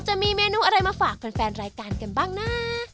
จะมีเมนูอะไรมาฝากแฟนรายการกันบ้างนะ